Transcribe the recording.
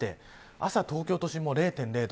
朝、東京都心も０．０度。